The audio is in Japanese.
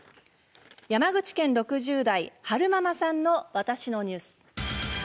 山口県６０代はるままさんの「わたしのニュース」。